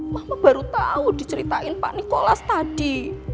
mama baru tahu diceritain pak nikolas tadi